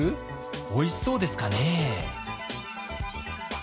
おいしそうですかね？